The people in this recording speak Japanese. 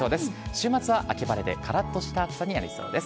週末は秋晴れでからっとした暑さになりそうです。